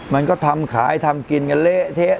มันก็ทำขายทำกินกันเละเทะ